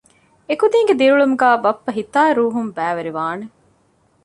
އެކުދީންގެ ދިރިއުޅުމުގައި ބައްޕަ ހިތާއި ރޫހުން ބައިވެރިވާނެ